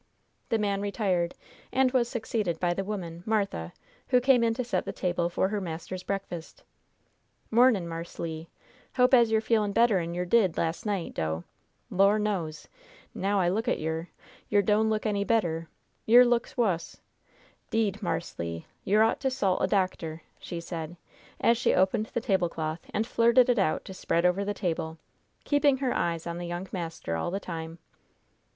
The man retired, and was succeeded by the woman, Martha, who came in to set the table for her master's breakfast. "Mornin', Marse Le! Hope as yer feel better'n yer did las' night, dough, Lor' knows, now I look at yer, yer doan look any better; yer looks wuss. 'Deed, Marse Le, yer ought to 'sult a doctor," she said, as she opened the tablecloth and flirted it out to spread over the table, keeping her eyes on the young master all the time.